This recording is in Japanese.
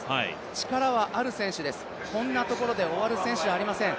力はある選手です、こんなところで終わる選手ではありません。